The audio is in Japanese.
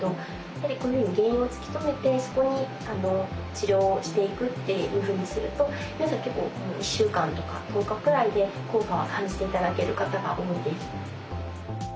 やっぱりこういうふうに原因を突き止めてそこに治療をしていくっていうふうにすると皆さん結構１週間とか１０日くらいで効果は感じて頂ける方が多いです。